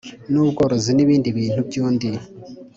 n ubworozi n ibindi bintu by undi